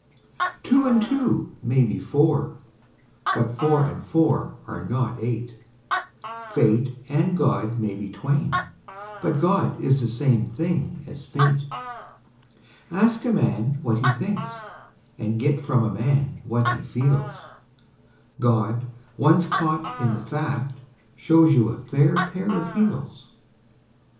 Two and two may be four: but four and four are not eight: Fate and God may be twain: but God is the same thing as fate. Ask a man what he thinks, and get from a man what he feels: God, once caught in the fact, shows you a fair pair of heels.